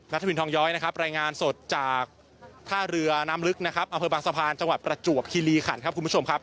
ทวินทองย้อยนะครับรายงานสดจากท่าเรือน้ำลึกนะครับอำเภอบางสะพานจังหวัดประจวบคิริขันครับคุณผู้ชมครับ